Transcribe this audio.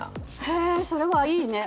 へぇそれはいいね。